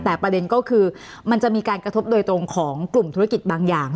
แต่ประเด็นก็คือมันจะมีการกระทบโดยตรงของกลุ่มธุรกิจบางอย่าง